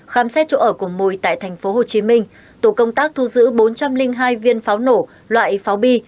khám xét chỗ ở của mùi tại tp hcm tổ công tác thu giữ bốn trăm linh hai viên pháo nổ loại pháo bi